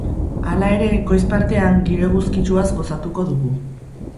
Hala ere, goiz partean giro eguzkitsuaz gozatuko dugu.